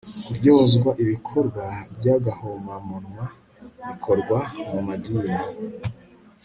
kuryozwa ibikorwa by'agahomamunwa bikorwa mu madini